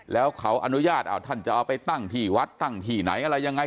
แล้วเขาอนุญาตท่านจะเอาไปตั้งที่วัดตั้งที่ไหนอะไรยังไง